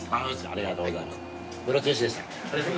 ありがとうございます。